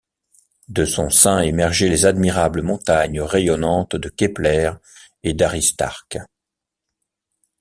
De son sein émergeaient les admirables montagnes rayonnantes de Képler et d’Aristarque.